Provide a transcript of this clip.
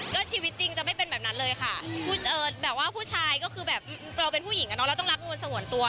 ก็ชีวิตจริงจะไม่เป็นแบบนั้นเลยค่ะแบบว่าผู้ชายก็คือแบบเราเป็นผู้หญิงอะเนาะเราต้องรักงูลสงวนตัว